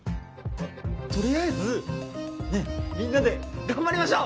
とりあえずねみんなで頑張りましょう！